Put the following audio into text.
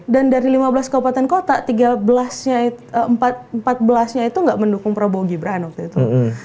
dari lima belas kabupaten kota empat belas nya itu nggak mendukung prabowo gibran waktu itu